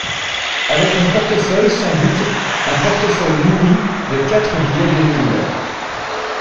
Avec mon portefeuille, sans doute… un portefeuille nourri de quatre billets de mille…